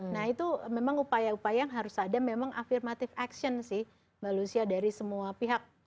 nah itu memang upaya upaya yang harus ada memang afirmative action sih mbak lucia dari semua pihak